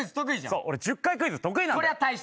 １０回クイズ得意じゃん。